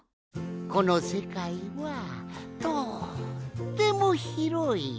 このせかいはとってもひろい。